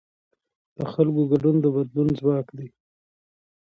د خلکو ګډون د بدلون ځواک دی